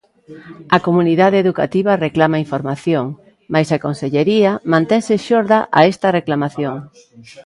A comunidade educativa reclama información, mais a Consellería mantense xorda a esta reclamación.